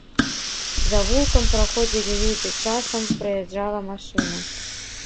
Завулкам праходзілі людзі, часам праязджала машына.